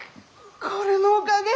これのおかげ？